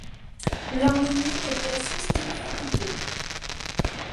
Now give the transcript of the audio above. L'harmonie est assez stéréotypée.